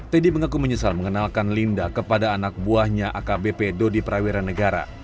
teddy mengaku menyesal mengenalkan linda kepada anak buahnya akbp dodi prawira negara